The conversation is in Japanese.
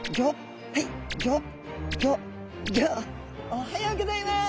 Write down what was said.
おはようギョざいます。